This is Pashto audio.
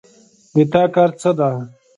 د تا کار څه ده